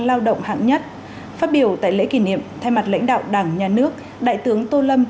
lao động hạng nhất phát biểu tại lễ kỷ niệm thay mặt lãnh đạo đảng nhà nước đại tướng tô lâm